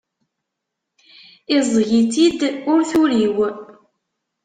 Iẓẓeg-itt-id ur turiw.